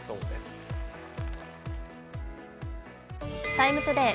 「ＴＩＭＥ，ＴＯＤＡＹ」